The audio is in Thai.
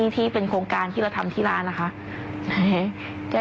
ที่เป็นโครงการที่เราทำที่ร้านนะคะ